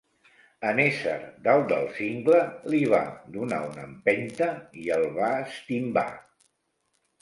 En ésser dalt del cingle, li va donar una empenta i el va estimbar.